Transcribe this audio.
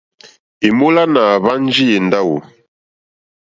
Èmólánà àhwánjì èndáwò.